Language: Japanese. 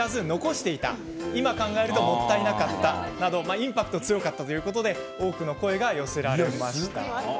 インパクトが強かったということで多くの声が寄せられました。